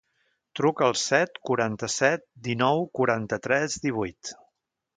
Truca al set, quaranta-set, dinou, quaranta-tres, divuit.